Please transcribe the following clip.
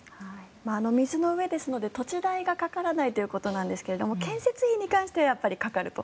水の上ですので土地代はかからないということですが建設費に関してはやっぱりかかると。